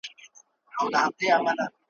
وا یي وګوره محشر سو